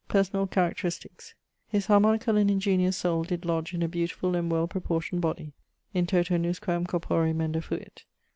<_Personal characteristics._> His harmonicall and ingeniose soul did lodge in a beautifull and well proportioned body: In toto nusquam corpore menda fuit.